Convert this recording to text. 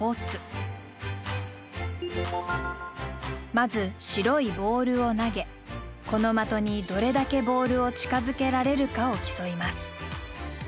まず白いボールを投げこの的にどれだけボールを近づけられるかを競います。